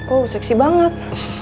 oh seksi banget